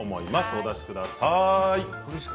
お出しください。